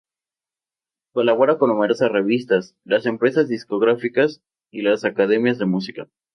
Colabora con numerosas revistas, las empresas discográficas y las academias de música.